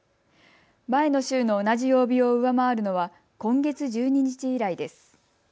前の週の同じ曜日を上回るのは今月１２日以来です。